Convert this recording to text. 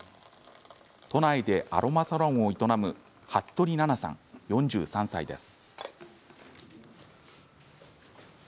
都内でアロマサロンを営む服部奈菜さん、４３歳です。